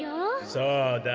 そうだよ。